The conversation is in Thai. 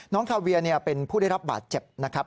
น้องคาเวียเนี่ยเป็นผู้ได้รับบาดเจ็บนะครับ